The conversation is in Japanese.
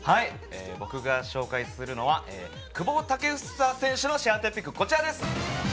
僕が紹介するのは久保建英選手のシェアトピック、こちらです。